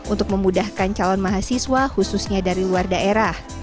untuk memudahkan calon mahasiswa khususnya dari luar daerah